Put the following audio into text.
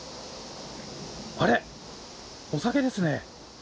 あれ、お酒ですね。